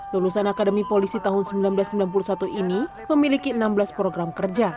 lulusan akademi polisi tahun seribu sembilan ratus sembilan puluh satu ini memiliki enam belas program kerja